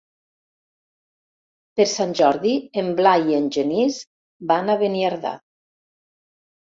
Per Sant Jordi en Blai i en Genís van a Beniardà.